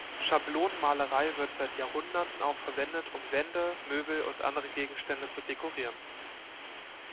Schablonenmalerei wird seit Jahrhunderten auch verwendet, um Wände, Möbel und andere Gegenstände zu dekorieren.